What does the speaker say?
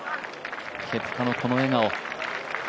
ケプカのこの笑顔。